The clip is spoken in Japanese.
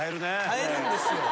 変えるんですよ。